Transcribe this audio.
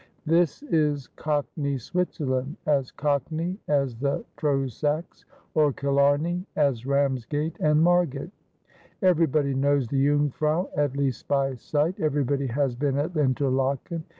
This is cockney Switzerland, as cockney as the Trossachs, or Killarney, as Ramsgate and Margate. Everybody knows the Jungfrau, at least by sight ; everybody has been at Interlaken.